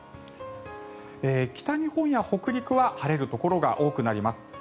北日本や北陸は晴れるところが多くなります。